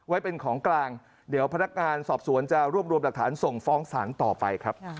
ไว้เป็นของกลางเดี๋ยวพนักงานสอบสวนจะรวบรวมหลักฐานส่งฟ้องศาลต่อไปครับ